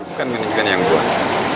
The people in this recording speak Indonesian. bukan manajemen yang membuat